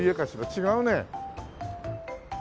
違うね。